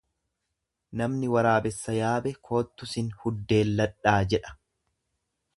Namni Waraabessa yaabe koottu sin huddeelladhaa jedha.